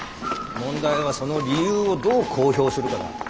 問題はその理由をどう公表するかだ。